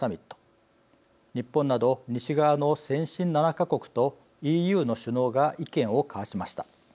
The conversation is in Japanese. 日本など西側の先進７か国とＥＵの首脳が意見を交わしました。